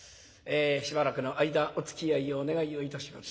しばらくの間おつきあいをお願いをいたします。